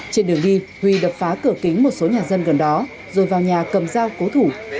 trên đường đi huy đập phá cửa kính một số nhà dân gần đó rồi vào nhà cầm dao cố thủ